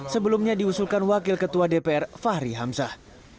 sebelumnya diusulkan wakil ketua dpr fahri hamzah